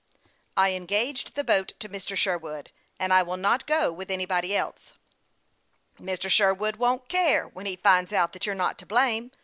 " I engaged the boat to Mr. Sherwood, and I will not go with anybody else." " Mr. Sherwood won't care when he finds out that you are not to blame.